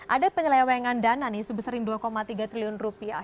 ada penyelewengan dana nih sebesar dua tiga triliun rupiah